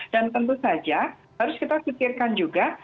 dan tentu saja harus kita fikirkan juga